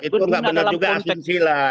itu nggak benar juga asumsi lah